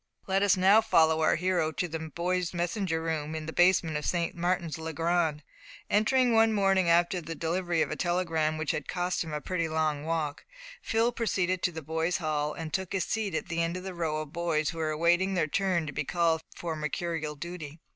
Let us now follow our hero to the boy messengers' room in the basement of St. Martin's le Grand. Entering one morning after the delivery of a telegram which had cost him a pretty long walk, Phil proceeded to the boys' hall, and took his seat at the end of the row of boys who were awaiting their turn to be called for mercurial duty.